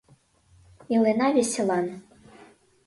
Илена веселан